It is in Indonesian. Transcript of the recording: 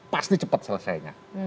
pasti cepat selesainya